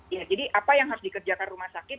ya jadi apa yang harus dikerjakan rumah sakit